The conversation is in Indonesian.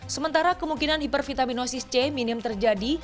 sementara kemungkinan hipervitaminosis c minim terjadi